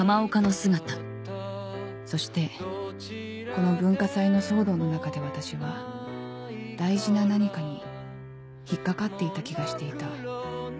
そしてこの文化祭の騒動の中で私は大事な何かに引っかかっていた気がしていた